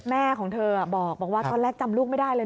แม่ของเธอบอกว่าตอนแรกจำลูกไม่ได้เลย